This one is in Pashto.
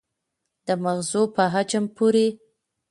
د مغزو په حجم پورې